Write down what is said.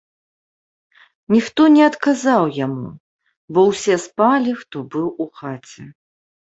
Ніхто не адказаў яму, бо ўсе спалі, хто быў у хаце.